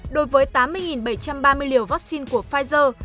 đối với tám mươi bảy trăm ba mươi liều vaccine của pfizer